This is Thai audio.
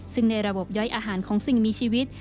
ซึ่งในระบบย้อยอาหารของสิ่งมีชีวิต